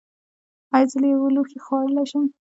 ایا زه له یو لوښي خوړلی شم؟